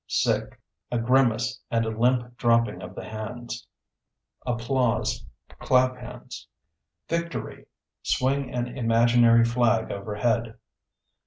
Sick (A grimace and a limp dropping of the hands). Applause (Clap hands). Victory (Swing an imaginary flag over head).